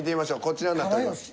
こちらになっております。